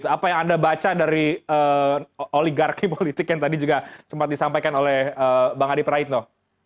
apa yang anda baca dari oligarki politik yang tadi juga sempat disampaikan oleh bang adi praitno